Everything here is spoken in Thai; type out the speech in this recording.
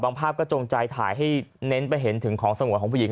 ภาพก็จงใจถ่ายให้เน้นไปเห็นถึงของสงวนของผู้หญิง